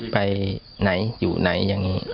ไปไหนอยู่ไหนอย่างนี้